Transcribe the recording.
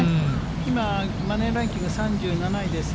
今、マネーランキング３７位です。